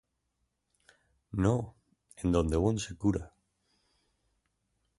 No", en donde Bond se cura.